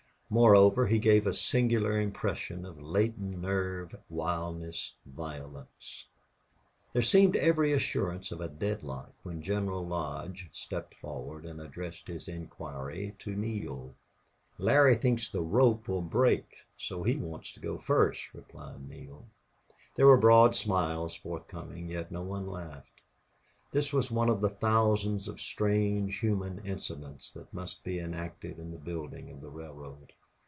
Moreover, he gave a singular impression of latent nerve, wildness, violence. There seemed every assurance of a deadlock when General Lodge stepped forward and addressed his inquiry to Neale. "Larry thinks the rope will break. So he wants to go first," replied Neale. There were broad smiles forthcoming, yet no one laughed. This was one of the thousands of strange human incidents that must be enacted in the building of the railroad.